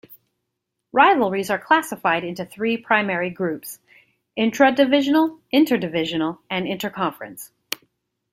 Rivalries are classified into three primary groups; intradivisional, interdivisional, and interconference.